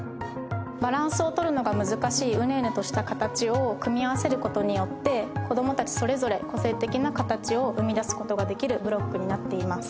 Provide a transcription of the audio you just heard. バランスを取るのが難しいうねうねとした形を組み合わせることによって子供たちそれぞれ個性的な形を生みだすことができるブロックになっています。